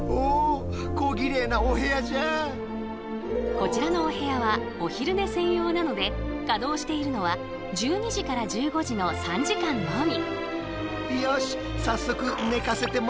こちらのお部屋はお昼寝専用なので稼働しているのは１２時から１５時の３時間のみ。